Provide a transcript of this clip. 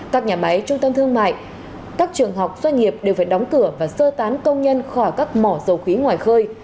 các nhà máy trung tâm thương mại các trường học doanh nghiệp đều phải đóng cửa và sơ tán công nhân khỏi các mỏ dầu khí ngoài khơi